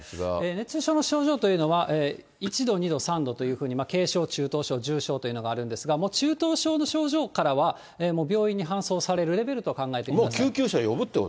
熱中症の症状というのは１度、２度、３度というふうに軽症、中等症、重症というのがあるんですが、中等症の症状からはもう病院に搬送されるレベルと考えてください。